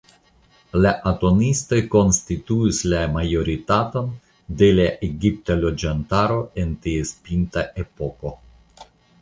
La atonistoj konstituis la majoritaton de la egipta loĝantaro en ties pinta epoko.